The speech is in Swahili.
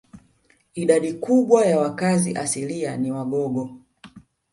Idadi kubwa ya wakazi asilia ni Wagogo